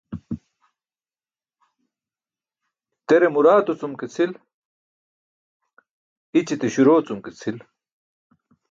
Tere muraato cum ke cʰil, i̇ćite śuroo cum ke cʰil.